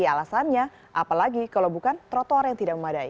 alasannya apalagi kalau bukan trotoar yang tidak memadai